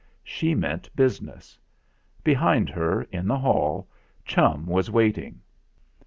She meant business. Behind her, in the hall, Chum was waiting.